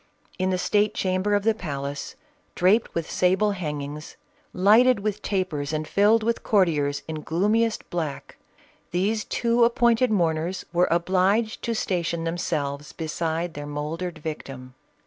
In the state chamber of the palace, draped with sable hangings, lighted with tapers and filled with courtiers in gloomiest black, these two appointed mourners were obliged to station themselves beside their mouldered victim.